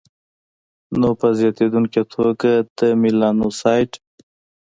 نو په زیاتېدونکي توګه د میلانوسایټ